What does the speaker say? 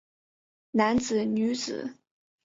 男子女子